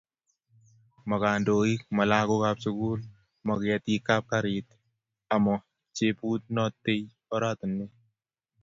Mo kandoik, mo lagokab sukul, mo ketikab garit, amo chebunotei oratinwek